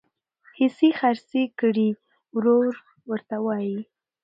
حصي خرڅي کړي ورور ورته وایي